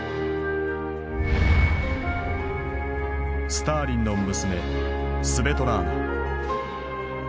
スターリンの娘スヴェトラーナ。